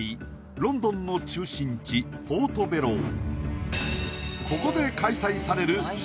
ロンドンの中心地ポートベロー